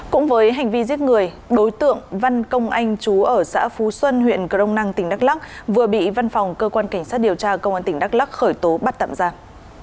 cũng với hành vi giết người đối tượng văn công anh chú ở xã phú xuân huyện crong năng tỉnh đắk lắc vừa bị văn phòng cơ quan cảnh sát điều tra công an tỉnh đắk lắc khởi tố bắt tạm giam